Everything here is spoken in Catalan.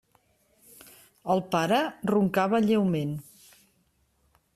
El pare roncava lleument.